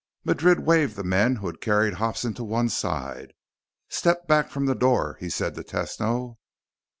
Madrid waved the men who had carried Hobson to one side. "Step back from the door," he said to Tesno.